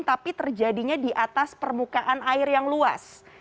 tapi terjadinya di atas permukaan air yang luas